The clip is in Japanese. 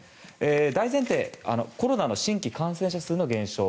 大前提コロナの新規感染者数の減少。